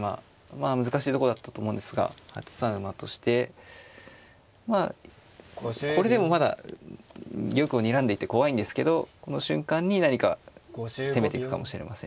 まあ難しいとこだったと思うんですが８三馬としてまあこれでもまだ玉をにらんでいて怖いんですけどこの瞬間に何か攻めていくかもしれませんね。